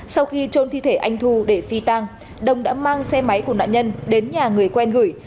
sau khi trôn thi thể anh thu để phi tang đồng đã mang xe máy của nạn nhân đến nhà người quen gửi